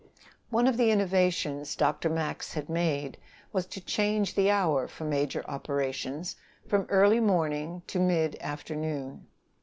One of the innovations Dr. Max had made was to change the hour for major operations from early morning to mid afternoon.